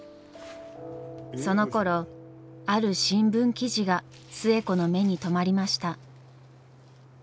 そのころある新聞記事が寿恵子の目に留まりました。